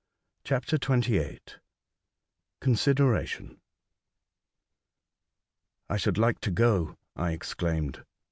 CHAPTER I. CONSIDERATION. '' T SHOULD like to go," I exclaimed.